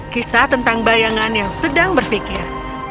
kisah tentang bayangan yang sedang berpikir